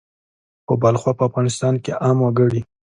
خو بلخوا په افغانستان کې عام وګړي